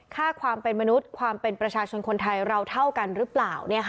ค่าความเป็นมนุษย์ความเป็นประชาชนคนไทยเราเท่ากันหรือเปล่า